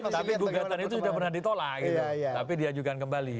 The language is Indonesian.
tapi gugatan itu sudah pernah ditolak gitu tapi dia juga akan kembali